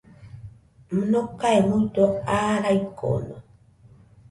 Nokae muido aa raikono.